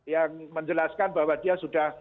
yang menjelaskan bahwa dia sudah